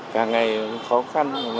cả ngày khó khăn